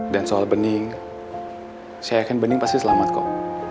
dan soal bening saya yakin bening pasti selamat kok